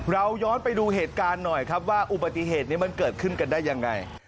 ย้อนไปดูเหตุการณ์หน่อยครับว่าอุบัติเหตุนี้มันเกิดขึ้นกันได้ยังไง